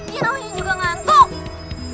iya ini juga ngantuk